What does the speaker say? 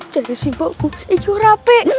cara simpaku ikur rape